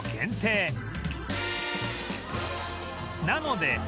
なので